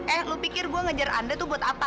eh lo pikir gue ngejar andre tuh buat apa